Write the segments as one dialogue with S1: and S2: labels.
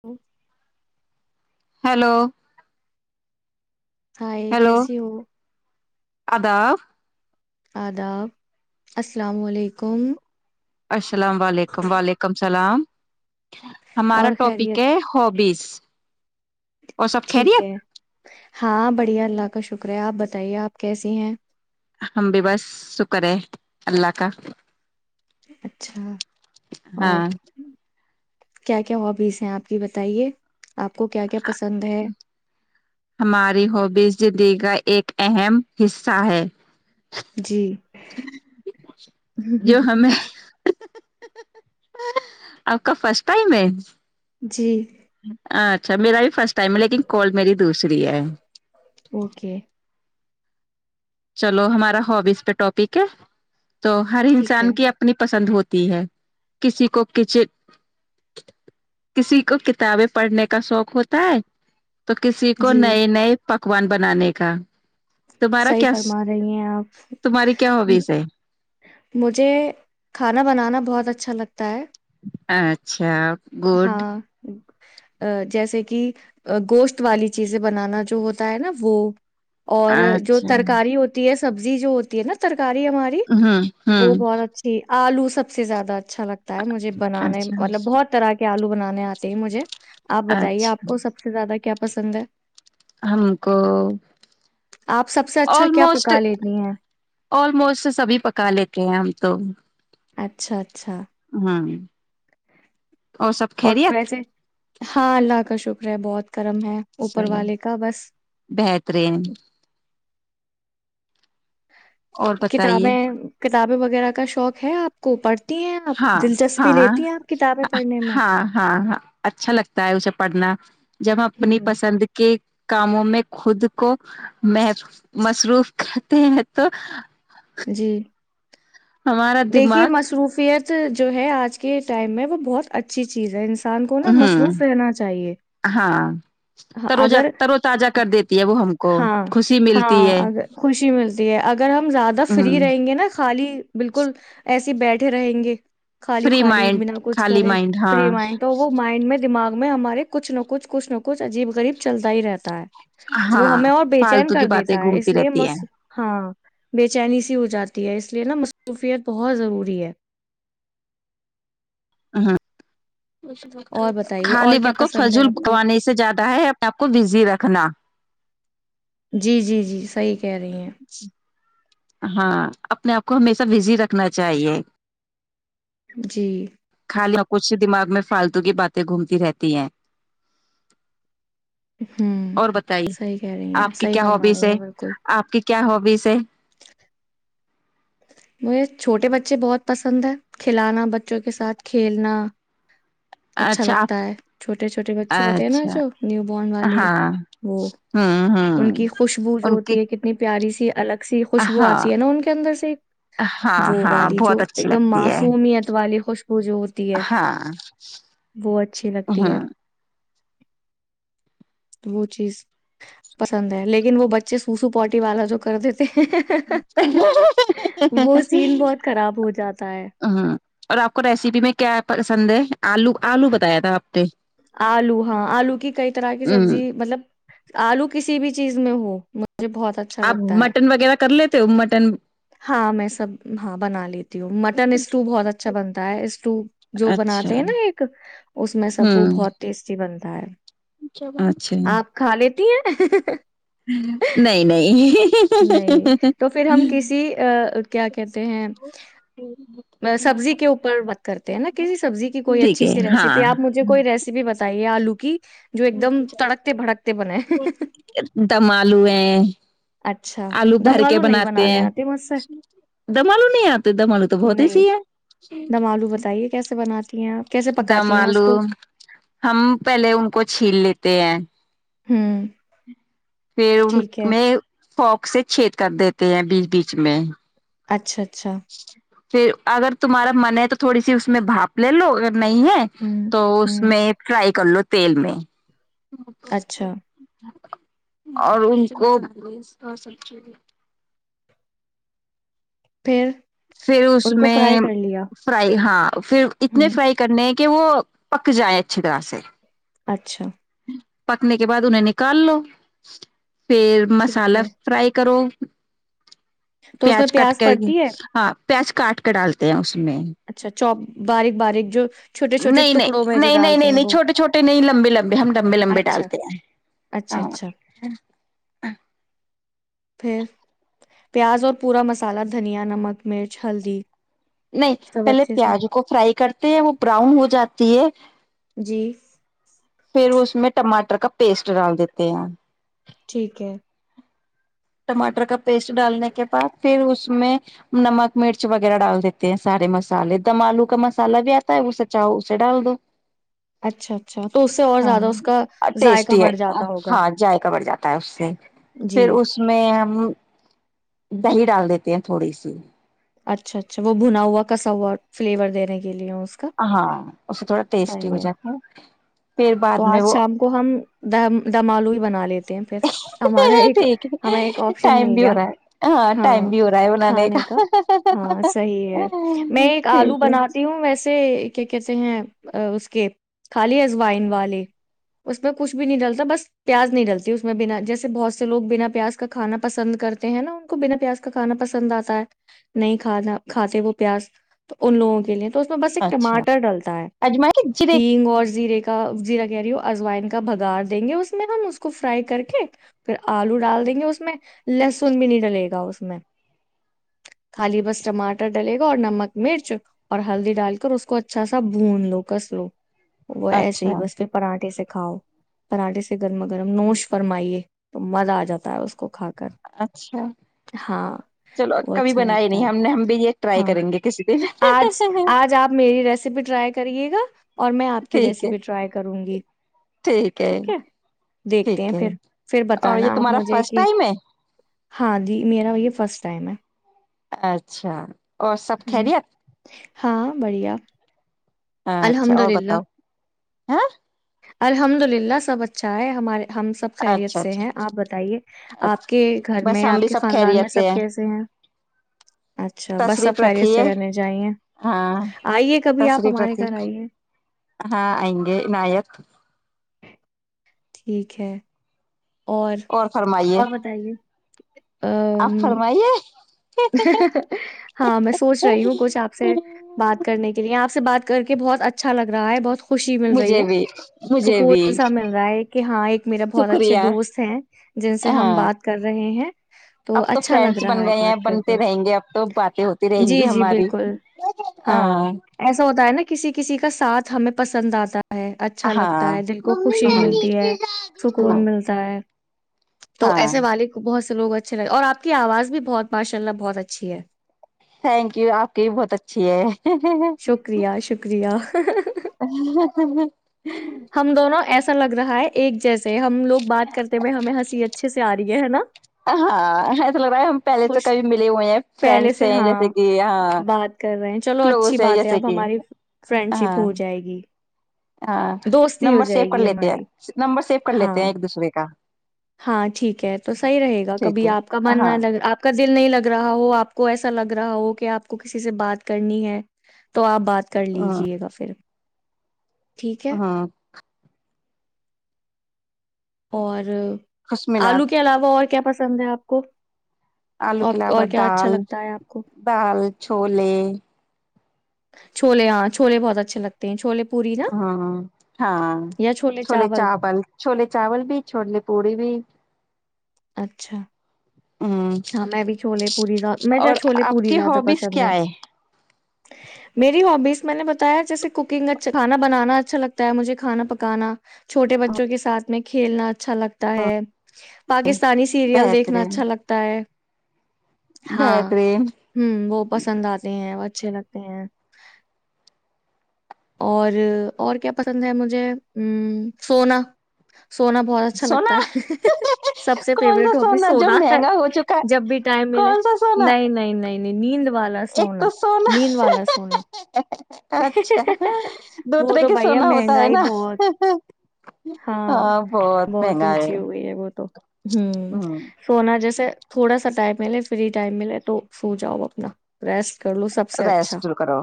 S1: ہ [inaudible]
S2: hello
S1: hi کیسی ہو
S2: ادا
S1: آداب السلام علیکم
S2: اچشھا [unintelligible] السلام علیکم وعلیکم السلام [unintelligible] ہمارا
S1: اور
S2: ٹاپک
S1: خیریت
S2: ہے ہبیز [inaudible]
S1: ٹھیک ہے ہاں بڑھیا الگ کا شکریہ آپ بتائیے آپ کیسی ہیں [unintelligible]
S2: ہم بھی بس شکر ہے اللہ کا
S1: اچھا اور
S2: ہاں
S1: [unintelligible] کیا کیا ہوابیز ہیں آپ کی بتائیے آپ کو کیا کیا پسند ہے
S2: ہماری ہوبیز زندی کا [unintelligible] ایک اہم حصہ ہے [unintelligible]
S1: جی
S2: جو ہم [unintelligible] آپ کا فرسٹ ٹائم ہے [unintelligible]
S1: جی
S2: س میر آائی فسٹ [unintelligible] ٹم لیکن کال میری دوسری ہے
S1: اوکے
S2: [unintelligible] چلو ہمارا ہبیز پہ ٹاپک ہے تو ہر
S1: ٹھیک ہے
S2: انسان کی اپنی پسند ہوتی [unintelligible] ہے کسی کو کچن کسی کو کتابیں پڑھنے کا شوق ہوتا ہے [unintelligible] تو کسی کو
S1: جی
S2: نئے نئے پک پکوان بنانے کا [unintelligible] دوبارہ [unintelligible]
S1: ما رہی ہیں آپ
S2: ہابیز ہے
S1: مجھے کھانا بنانا بہت بہت اچھا لگتا ہے
S2: اچھا گڈ
S1: ہاں ا جیسے کہ گوشت والی چیزیں بنانا جو ہوتا ہے نا وہ اور جو
S2: اچھا
S1: ترکاری ہوتی ہے سبزی جو ہوتی ہے ن ترک کاری ہماری
S2: ہوں
S1: وہ
S2: ہوں
S1: بہت اچھی آلو سب سے زیادہ اچھا لگتا ہے تا ہے مجھے بنانے
S2: اچھا
S1: مطلب بہت کے آلو بنانے آتے ہی مجھے آپ بتائیے آپ
S2: اچھا
S1: کو سب سے زیادہ کیا پسند ہے
S2: ہم کو
S1: آپ سب سے اچھا کیا
S2: آلموسٹ
S1: پکا لیتی ہیں
S2: آلموسٹ سبھی پکا لیتے ہیں ہم تو
S1: اچھا اچھا اچھا
S2: ہوں سب
S1: اور
S2: خیریت
S1: پیسے ہاں اللہ کا شکر ہے بہت کرم ہے اوپر
S2: چلو
S1: والے کا بس
S2: بہترین اور بتائیے
S1: کتابیں کتابیں وغیر وغیرہ کا شوق ہے آ کو اوس
S2: ہاں ہاں
S1: کتابیں پڑھنے میں
S2: ہاں ہاں ہاں اچھا لگتا ہے اسے پڑھنا ج جب ہم اپنی
S1: ہوں
S2: پسند کے کاموں میں خود کو مح مصروف کرتے ہیں تو
S1: جی
S2: ہمارا
S1: دیکھیے
S2: دماغ
S1: مصروفیت جو ہے آج کے ٹائم میں وہ بہت اچھی چیز ہے ان کو
S2: ہوں
S1: مصروف رہنا چاہ
S2: ہاں
S1: ہ
S2: تروجہ ترو تازہ کر دیتی ہے وہ ہم کو خوشی ملتی ہے
S1: ہشی متی ہے ا ز فری
S2: ہوں
S1: رہیں گے نا خالی بالکل ایسے بیٹھے رہیں گے خالی
S2: فری
S1: خالی
S2: مائنڈ
S1: بنا کچھ
S2: خالی
S1: کرے
S2: مائنڈ
S1: فری
S2: ہاں
S1: مائنڈ تو وہ مائنڈ میں دماغ میں ہمارے کچھ نہ کچھ کچھ کچھ عجیب غریب چلتا ہی رہتا ہے وہ
S2: ہاں
S1: ہمیں اور بے چین
S2: فالتو کی
S1: کر
S2: باتیں
S1: دیتا ہے اس
S2: گھومتی
S1: لیے م
S2: رہتی ہے
S1: ہاں بے چینی ہو جاتی ہے اس لیے نا مصروفیت بہت ضروری ہے
S2: ہاں
S1: اور بتائیے اور
S2: خالی
S1: کیا
S2: وقتف
S1: پسند ہے
S2: فضول
S1: آپ کو
S2: پکوانے سے زیادہ ہے اپنے آپ کو بزی رکھنا
S1: جی جی جی صحیح کہ رہی ہیں [unintelligible]
S2: ہاں اپنے آپ کو ہمیشہ بزی رکھنا چاہیے
S1: جی [inaudible]
S2: کچھ دماغ میں فالتو کی باتیں گھومتی رہتی ہیں
S1: ہوں
S2: اور بتائیے
S1: صحی کہہ رہی ہیں
S2: آپ کی
S1: صحیح
S2: کیا
S1: فرما
S2: ہابیز
S1: رہی
S2: ہے
S1: ہیں بالکل
S2: آپ کی کیا ہوبیز ہے [unintelligible]
S1: مجھے چھوٹے بچے بہت پسند ہے کھلانا بچوں کے ساتھ کھیلنا اچھا لگتا ہے چھوٹے چھوٹے بچے ہوتے ہیں نا
S2: اچھا
S1: جو نیو بورن والے
S2: ہاں
S1: وہ
S2: ہوں
S1: ان
S2: ہوں
S1: کی خوشبو جو
S2: ان کی
S1: ہوتی ہے کتنی پیاری سے الگ [unintelligible] س خوشبو
S2: ہاں
S1: آتی ہے نا ان کے اندر سے ایک
S2: ہاں
S1: وہ
S2: ہاں
S1: والی
S2: بہت
S1: جو
S2: اچھی
S1: ایک دم
S2: لگتی ہے
S1: معصومیتار والے خوش [unintelligible] وہ جو ہوتی ہے
S2: ہاں
S1: وہ اچھی لگتی ہے
S2: ہوں
S1: وہ چیز پسند ہے لیکن وہ بچے سوسو پوٹی والا جو کر دیتے ہیں
S2: [inaudible] ہ
S1: وہ سین بہت خراب ہو جاتا ہے
S2: اور آپ کو ریسیپی میں کیا پسند ہے آلو آلو بتایا تھا آپ نے
S1: آلو ہاں آلو کی کئی طرح کی
S2: ہوں
S1: سبزی مطلب آلو کسی بھی چیز میں ہو مجھے بہت اچھا
S2: آپ
S1: لگتا ہے
S2: مٹن وغیرہ کر لیتے ہو مٹن
S1: ہاں میں سب ہاں بنا لیتی ہوں مٹن اسٹو بہت اچھا بنتا ہے اسٹو جو
S2: اچھا
S1: بناتے ہیں نا ایک اس میں سب وہ
S2: ہوں
S1: بہت ٹیسٹی بن اور [inaudible]
S2: اچھا [unintelligible]
S1: تی ہیں [unintelligible]
S2: نہیں نہیں
S1: نہیں تو پھر ہم کسی کیا کہتے ہیں سبزی کے اوپر بات کرتے ہیں نا کسی سبزی کی کوئی
S2: ٹھیک
S1: اچھی
S2: ہے
S1: سی
S2: ہاں
S1: ریسیپی آپ مجھے کوئی ریسیپی بتائی یہ آلو کی جو ایک دم تڑکتے بھڑکتے بنے
S2: دم آلو ہے
S1: اچھا
S2: آلو
S1: دم
S2: بھر کے
S1: نہیں
S2: بناتے
S1: بنانے
S2: ہیں
S1: آتے مجھ سے
S2: دملو نہیں آتے دملو تو بہت ہی سی ہے
S1: بناات [inaudible]
S2: دمالو ہم پہلے ان کو چھین لیتے ہیں
S1: ہاں
S2: پھر میں پوک سے چھید کر دیتے ہیں بیچ بیچ میں
S1: اچھا اچھا
S2: [inaudible] پھر اگر تمہارا من ہے تو تھوڑی سی اس میں بھاپ لے لو نہیں ہے
S1: ہوں
S2: تو اس
S1: ہوں
S2: میں فرائی کر لو تیل میں
S1: اچھا
S2: اور ان کو
S1: پھر
S2: پھر اس
S1: ان کو
S2: میں
S1: فرائی کر لیا
S2: فرائی ہاں پھر اتنے
S1: ہوں
S2: فرائی کرنے کہ وہ پک جائے اچھی طرح سے
S1: اچھا
S2: پکنے کے بعد انہیں نکال لو پھر
S1: ٹھیک
S2: مسالہ
S1: ہے
S2: فرائی کرو
S1: تو اس میں
S2: پیاز کٹ کر گ
S1: پڑتی ہے
S2: ہاں پیچ کاٹ کے ڈالتے ہیں اس میں
S1: اچھا چوپ باریک باریک جو چھوٹے چھوٹے
S2: نہیں نہیں
S1: ٹکڑوں میں جو
S2: نہیں نہیں
S1: ڈالتے
S2: نہیں
S1: ہیں
S2: نہیں
S1: وہ
S2: چھوٹے چھوٹے نہیں لمبے لمبے ہم لمبے لمبے
S1: اچھا
S2: ڈالتے ہیں
S1: اچھا اچھا پھر پیاز اور پورا مسالہ دھنیا نمک مرچ ہلدی
S2: نہیں
S1: سب
S2: پہلے
S1: اچھے سے
S2: پیاز کو فرائی کرتے ہیں وہ براؤن ہو جاتی ہے
S1: جی
S2: پھر اس میں ٹماٹر کا پیسٹ ڈال دیتے ہیں
S1: ٹھیک ہے
S2: ٹماٹر کا پیسٹ ڈالنے کے بعد پھر اس میں نمک مرچ وغیرہ ڈال دیتے ہیں سارے مسالے دم آلو کا مسالہ بھی آتا ہے وہے چاؤ اسے ڈال دو
S1: اچھا اچھا تو اس سے اور زیادہ اس کا
S2: ہاں
S1: ذائقہ
S2: ٹیسٹی ہے
S1: بڑھ جاتا ہوگا
S2: ہاں جذائقہ پڑ جاتا ہے اس سے پھر
S1: جی
S2: اس ہم دہی ڈال دیتے ہیں تھوڑی سی
S1: اچھا اچھا وہ بھنا ہوا کسا ہوا فلیور دینے کے لیے کا
S2: ہاں اس سے تھوڑا ٹیسٹی ہو جاتا ہے پھر
S1: تو
S2: بعد میں
S1: آج
S2: وہ
S1: شام کو ہم دمالو ہی بنا لیتے پ ہمارا ایک
S2: ٹھیک
S1: ہمیں ایک
S2: ہے
S1: آپشن
S2: ٹائم
S1: مل
S2: بھی
S1: گیا
S2: ہو رہا ہے ٹائم
S1: ہاں
S2: بھی ہو رہا ہے بنانے
S1: کھانے کا ہاں صحیح ہے میں ایک آلو
S2: ٹھیک ہے
S1: بناتی ہوں ویسے کیا کہتے ہیں اس کے خالی وائن والے اس میں کچھ بھی نہیں ڈلتا بس پیاز نہیں ڈلتی اس میں بنا جیسے بہت سے لوگ بنا پیاز کا کھانا پسند کرتے ہیں نا ان کو بنا پیاز کا کھانا پسند آتا ہے نہیں کھانا کھاتے وہ پیاز تو ان لوگوں کے لیے تو اس میں بس ایک
S2: اچھا
S1: ٹماٹر ڈلتا ہے
S2: اجما کے جرے
S1: ہگ اور زیرے کا کا زیرا گری ہو ازوائن کا بگاار دیں گے اس میں ہم اس کو فرائی کر کے پھر آلو ڈال دیں گے اس میں لہسن بھی نہیں ڈلے گا اس میں خالی بس ٹماٹر ڈلے گا اور نمک مرچ اور ہلدی ڈال کر اس کو اچھا سا بھون لو کس لو وہ ایسا صی
S2: اچھا
S1: بس پ پراٹے سک کاؤ پراٹھے سے گرما گرم نوش فرمائیے تو مزہ آ جاتا ہے اس کو کھا کے
S2: اچھا
S1: ہاں
S2: چلو
S1: وہ
S2: کبھی
S1: اچھا
S2: بنائی
S1: لگتا
S2: نہیں
S1: ہے
S2: ہم نے ہم بھی یہ ٹرائی
S1: ہاں
S2: کریں گے کسی دن
S1: آج آج آپ میری ریسیپی ٹرائی کرے گا اور میں آپ کی ریس
S2: ٹھیک ہے
S1: ٹرائی کروں گی ٹھیک ہے دیکھتے ہیں
S2: ٹھیک ہے
S1: پھر پھر
S2: اور یہ
S1: بتانا آپ
S2: تمہارا
S1: مجھے
S2: فرسٹ
S1: کہ
S2: ٹائم ہے
S1: ہاں جی میرا یہ فسٹ ٹائم ہے
S2: اچھا اور سب
S1: ہوں،
S2: خیریت
S1: ہاں بڑھیا
S2: اچھا
S1: الحمد
S2: اور
S1: للہ
S2: بتاؤ ہاں
S1: الحمد للہ سب اچھا ہے ہمارے ہم سب خیریت
S2: اچھا
S1: سے
S2: اچھا
S1: ہیں آپ بتائیے
S2: اچھا
S1: آپ کے گھر
S2: بس
S1: میں
S2: ہم
S1: آپ
S2: بھی
S1: کے
S2: سب
S1: خاندان میں
S2: خیریت سے
S1: سب
S2: ہیں
S1: کیسے ہیں اچھا بس سب
S2: تشریف
S1: خریت
S2: رکھیے
S1: سے رہنے جائے
S2: ہاں
S1: آئیے کبھی آپ
S2: تشریف
S1: ہمارے
S2: رکھیے
S1: گھر آئیے
S2: ہاں آئیں گے نایک
S1: ٹھیک ہے اور اور بتائیے ا
S2: آپ فرمائیے
S1: ہاں میں سوچ رہی ہوں کچھ آپ سے بات کرنے کے لیے آپ بات کر کے بہت اچھا لگ رہا رہا ہے بہت خوشی مل رہی
S2: مجھے
S1: ہے
S2: بھی مجھے بھی
S1: سکون سا مل رہا ہے کہ ہاں ایک میرا بہت اچھے
S2: شکریہ
S1: دوست ہیں جن سے ہم
S2: ہاں
S1: بات کر رہے ہیں
S2: اب تو
S1: اچھا لگ
S2: فرینڈس بن
S1: رہا ہے
S2: گئے ہیں
S1: بات
S2: بن
S1: کر کے
S2: رہیں گے اب تو باتیں ہوتی رہیں
S1: جی،
S2: گی
S1: جی،
S2: ہماری
S1: بالکل،
S2: ہاں
S1: ایسا ہوتا نا کسی کسی کا ساتھ ہمیں پسند آتا ہے اچھا
S2: ہاں
S1: لگتا ہے دل کو خوشی ملتی ہے سکون ملتا ہے تو
S2: ہاں
S1: ایسے والد کو بہت وگ اچھے لگے اور آ کی آواز بھی بہت ماشاء اللہ بہت اچھی ہے
S2: تھینک یو آپ کی بھی بہت اچھی ہے
S1: شکریہ شکریہ ہہ ہہ ہہ
S2: ہہ‌ ہہ ہہ
S1: ہم دونوں ایسا لگ رہا ہے ایک جیس سے ہم لوگ بات کرتے ہوئے ہمیں ہنسی اچھے سے تیاری ہے ہےا
S2: ہاں ایسا لگ رہا ہے ہم پہلے سے
S1: خوش
S2: کبھی ملے ہوئے ہیں
S1: پہلے
S2: فرینڈس
S1: سے
S2: ہیں جیسے
S1: ہاں،
S2: کہ ہاں
S1: بات کر رہے ہیں، چلو اچھی
S2: کلوز ہے
S1: بات
S2: جیسے
S1: اب
S2: کہ
S1: ہماری فرینڈشپ
S2: ہاں
S1: ہو جائے گی،
S2: ہاں
S1: دوستی ہو
S2: نمبر سیو
S1: جائے
S2: کر
S1: گی
S2: لیتے ہیں
S1: ہماری،
S2: نمبر سیو کر لیتے ہیں
S1: ہاں۔
S2: ایک دوسرے کا
S1: ہاں ٹھیک ہے تو صحیح رہے گا
S2: ٹھیک
S1: کبھی آپ کا
S2: ہے
S1: من نہ
S2: ہاں
S1: لگ آپ کا دل نہیں لگ رہا ہو آپ کو ایسا لگ رہا ہو کہ آپ کو کسی سے بات کرنی ہے تو آپ بات کر لیجے گا پھر ٹھیک ہے
S2: ہاں
S1: اور آلو
S2: خشمینات
S1: کے علاوہ اور کیا پاس پسند ہے آپ کو
S2: آلو
S1: اور
S2: کے
S1: اور
S2: علاوہ
S1: کیا اچھا
S2: دال
S1: لگتا ہے آپ کو
S2: دال چھوولے
S1: چھولے ہاں چھولے بہت اچھے لگتے ہیں چھولے پوری نا
S2: ہوں ہاں چھولے چاول چھوولے چاول بھی چھولیے پوڑی بھی
S1: اچھا
S2: ہ
S1: ہاں میں بھی چھولے پوری مج جے
S2: اور
S1: چھولے
S2: آپ
S1: پوری
S2: کی
S1: زیادہ
S2: ہابیز
S1: پسند
S2: کیا
S1: ہیں
S2: ہے
S1: میری ہبیز میں نے بتایا جیسے کوکنگ اچھا کھانا بنانا اچھا لگتا ہے مجھے کھانا پکانا چھوٹے بچوں کے ساتھ میں کھیلنا اھا اچھا لگتا ہے پاکستانی سیریئل دیکنا
S2: بہترین
S1: اچھا لگتا ہے [unintelligible] ہاں
S2: بہترین
S1: ہ وہ پسند آتے ہیں اچھے لگتے ہیں اور اور کیا پسند ہے مجھے ا سونا سونا بہت اچھا
S2: سونا
S1: لگتا ہے سب سے
S2: کون
S1: فیوریٹ
S2: سا
S1: ہبی
S2: جو
S1: سونا ہے
S2: مہنگا ہو چکا ہے
S1: جب بھی ٹائم ملے
S2: کون سا سونا
S1: نہیں نہیں نہیں نیند والا
S2: ایک تو سونا
S1: نیند والا سونا
S2: اچھا
S1: وہ
S2: دوترے
S1: تو
S2: کے
S1: بھیا
S2: سونا ہوتا ہے
S1: مہنگائی
S2: نا
S1: بہت
S2: ہاں بہت مہنگا ہے
S1: اونچی ہو گئی وہ تو ہوں سونا جیسے تھوڑا سا ٹائم ملے فری ٹائم ملے تو سو جاؤ اپنا ریسٹ کر لو سب سے اچھا
S2: ریسٹ کرو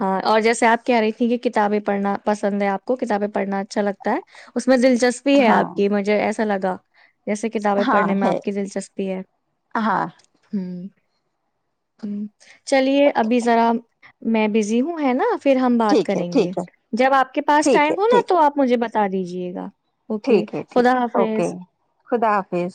S1: ہاں اور جیسے آپ کہہ رہی تھی کہ کتابیں پڑھنا پسند ہے آپ کو کتابیں پڑھنا اچھا لگتا ہے اس میں دلچسپی ہے
S2: ہاں
S1: آپ کی مجھے ایسا لگا جیسے کتابیں
S2: ہاں
S1: پڑھنے میں
S2: ہے
S1: آپ کی دلچسپی ہے
S2: ہاں
S1: ہ ہوں چلیے ابھی ذرا میں بزی ہوں ہے نا پھر ہم بات
S2: ٹھیک ہے
S1: کریں گے
S2: ٹھیک ہے
S1: جب آپ کے پاس
S2: ٹھیک ہے
S1: ٹائم ہوناا
S2: ٹھیک
S1: تو
S2: ہے
S1: آپ مجھے ب ستا دیجیے گا اوکے
S2: ٹھیک ہے ٹھیک
S1: خدا
S2: اوکے
S1: حافظ
S2: خدا حافظ